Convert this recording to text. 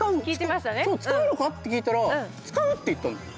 そう使うのかって聞いたら使うって言ったんですよ。